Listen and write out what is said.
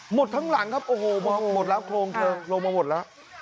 หมดทั้งหลังครับโอ้โหมองหมดแล้วโครงเธอลงมาหมดแล้ว